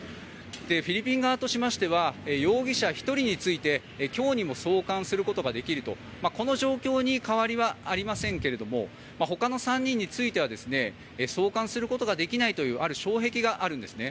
フィリピン側としましては容疑者１人について今日にも送還することができるとこの状況に変わりはありませんがほかの３人については送還することができないというある障壁があるんですね。